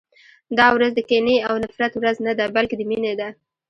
دا ورځ د کینې او د نفرت ورځ نه ده، بلکې د مینې ده.